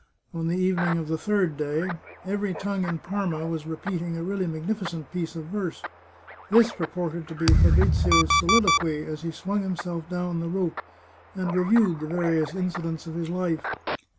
On the evening of the third day, every tongue in Parma was repeating a really magnificent piece of verse. This purported to be Fabrizio's soliloquy as he swung him self down the rope, and reviewed the various incidents of his life.